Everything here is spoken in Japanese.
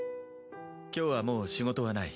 今日はもう仕事はない。